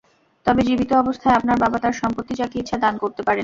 তবে জীবিত অবস্থায় আপনার বাবা তাঁর সম্পত্তি যাকে ইচ্ছা দান করতে পারেন।